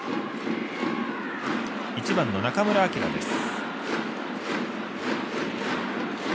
１番の中村晃です。